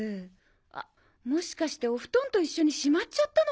あっもしかしてお布団と一緒にしまっちゃったのかも。